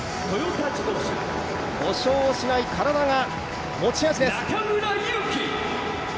故障をしない体が持ち味です。